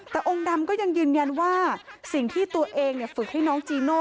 แต่องค์ดำก็ยังยืนยันว่าสิ่งที่ตัวเองฝึกให้น้องจีโน่